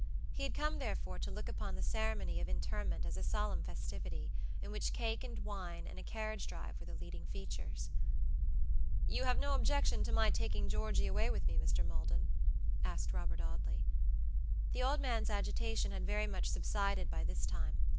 He had come, therefore, to look upon the ceremony of interment as a solemn festivity; in which cake and wine, and a carriage drive were the leading features. "You have no objection to my taking Georgey away with me, Mr. Maldon?" asked Robert Audley. The old man's agitation had very much subsided by this time.